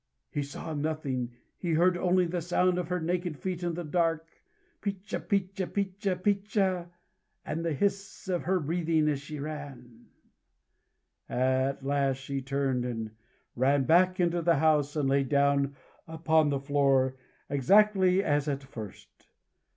He saw nothing: he heard only the sound of her naked feet in the dark, picha picha, picha picha, and the hiss of her breathing as she ran. At last she turned, and ran back into the house, and lay down upon the floor exactly as at first.